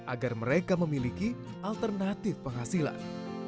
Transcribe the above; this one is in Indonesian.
agar mereka memiliki alternatif penghasilan